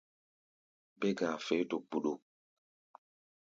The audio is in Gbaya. Bé-ga̧a̧ feé do gbuɗuk.